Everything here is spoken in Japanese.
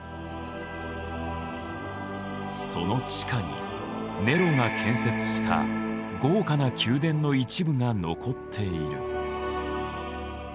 その地下にネロが建設した豪華な宮殿の一部が残っている。